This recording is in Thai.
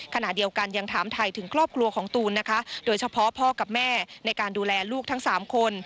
ขณะเดียวกันยังถามถ่ายถึงครอบครัวของตูนนะคะโดยเฉพาะพ่อกับแม่ในการดูแลลูกทั้ง๓คน